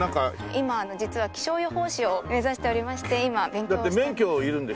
今実は気象予報士を目指しておりまして今勉強をしております。